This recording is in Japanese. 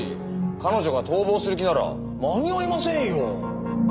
彼女が逃亡する気なら間に合いませんよ。